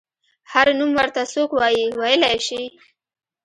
هر نوم ورته څوک وايي ویلی شي.